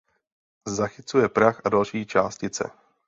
Zachycuje prach a další částice.